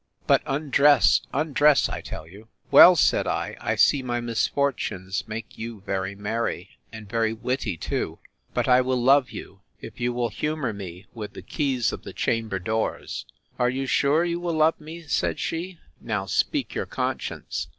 —But, undress, undress, I tell you. Well, said I, I see my misfortunes make you very merry, and very witty too: but I will love you, if you will humour me with the keys of the chamber doors.—Are you sure you will love me? said she: Now speak your conscience!